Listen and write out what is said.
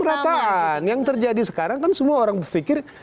pemerataan yang terjadi sekarang kan semua orang berpikir